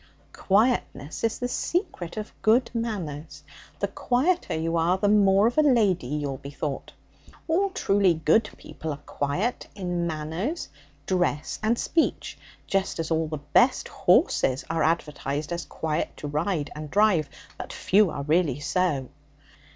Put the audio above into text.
'Quietness is the secret of good manners. The quieter you are, the more of a lady you'll be thought. All truly good people are quiet in manners, dress, and speech, just as all the best horses are advertised as quiet to ride and drive, but few are really so.'